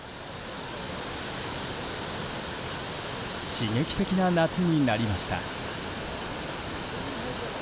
刺激的な夏になりました。